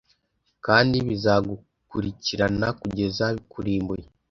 kandi bizagukurikirana kugeza bikurimbuye